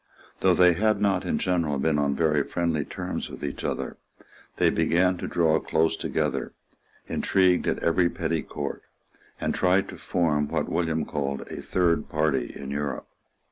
Though they had not in general been on very friendly terms with each other, they began to draw close together, intrigued at every petty German court, and tried to form what William called a Third Party in Europe.